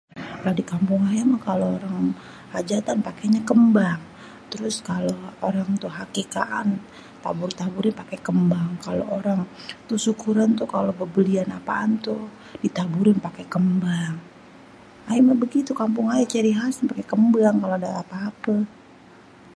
lah dikampung ayé mah kalo orang, hajatan pakenya kembang, terus kalo orang tua akikahan, tabur-taburi pake kembang, kalo orang tuh sukuran tuh kalo bebelian apaan tuh ditaburi pake kembang, ayé mah begitu kampung ayé ciri khas nya pake kembang kalo ada apê-apê.